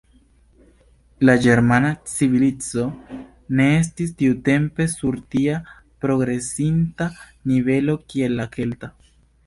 La ĝermana civilizo ne estis tiutempe sur tia progresinta nivelo kiel la kelta.